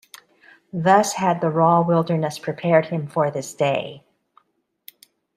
Thus had the raw wilderness prepared him for this day.